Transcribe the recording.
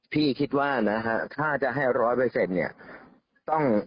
พี่คิดว่าถ้าจะให้ร้อยเปอร์เซ็นต์